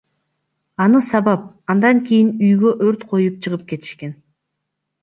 Аны сабап, андан кийин үйгө өрт коюп чыгып кетишкен.